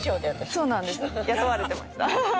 そうなんです雇われてました。